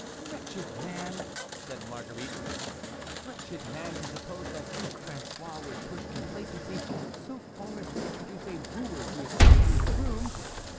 "Wretched man!" said Marguerite, "wretched man to suppose that Duc François would push complacency so far as to introduce a wooer to his sister's room!